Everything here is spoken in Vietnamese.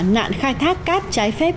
nạn khai thác cát trái phép